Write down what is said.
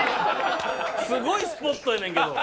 すごいスポットやねんけど。